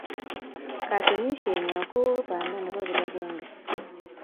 Katunisienyo ko u panda nebo kipakenge